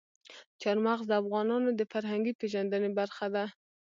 چار مغز د افغانانو د فرهنګي پیژندنې برخه ده.